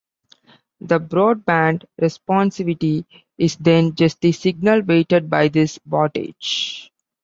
The broad-band responsivity, is then just the signal weighted by this wattage.